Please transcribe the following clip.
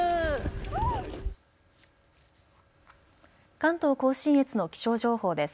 関東甲信越の気象情報です。